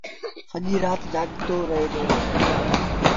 سڄيٚ رآت جآڳتو رهي دو۔